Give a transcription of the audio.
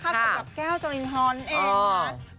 สำหรับแก้วจรินทรนั่นเองค่ะ